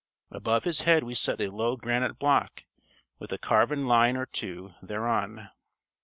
Above his head we set a low granite block, with a carven line or two thereon.